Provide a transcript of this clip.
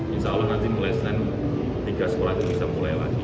insya allah nanti mulai senin tiga sekolah itu bisa mulai lagi